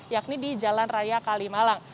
yakni di jalan raya kalimalang